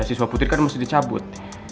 siswa putri kan mesti dicabut